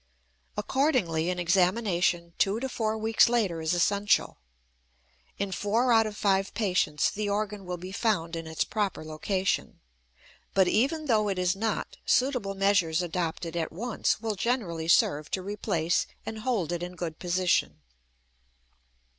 Accordingly, an examination two to four weeks later is essential. In four out of five patients the organ will be found in its proper location, but, even though it is not, suitable measures adopted at once will generally serve to replace and hold it in good position.